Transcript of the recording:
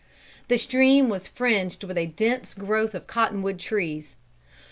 The stream was fringed with a dense growth of cotton wood trees.